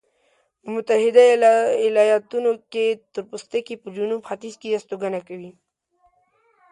په متحده ایلاتونو کې تورپوستکي په جنوب ختیځ کې استوګنه کوي.